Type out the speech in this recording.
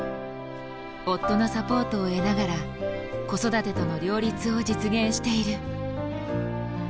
夫のサポートを得ながら子育てとの両立を実現している。